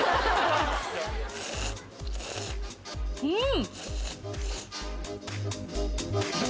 うん！